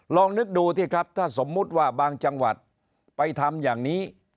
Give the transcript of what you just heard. ลองนึกดูสมมุติว่าบางจังหวัดไปทำอย่างนี้